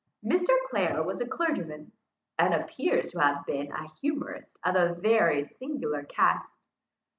Mr. Clare was a clergyman, and appears to have been a humourist of a very singular cast.